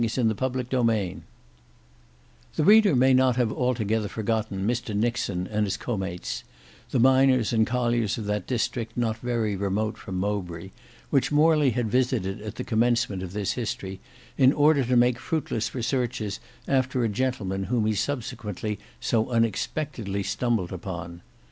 Book 6 Chapter 6 The reader may not have altogether forgotten Mr Nixon and his comates, the miners and colliers of that district not very remote from Mowbray, which Morley had visited at the commencement of this history, in order to make fruitless researches after a gentleman whom he subsequently so unexpectedly stumbled upon.